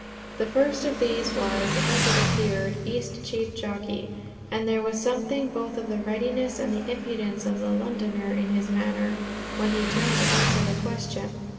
The first of these was, as it appeared, Eastcheap Jockey, and there was something both of the readiness and the impudence of the Londoner in his manner, when he turned to answer the question.